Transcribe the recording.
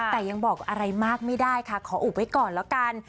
แต่ยังบอกอะไรมากไม่ได้ค่ะขออุบไว้ก่อนแล้วกัน